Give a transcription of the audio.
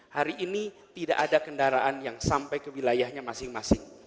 hari ini tidak ada kendaraan yang sampai ke wilayahnya masing masing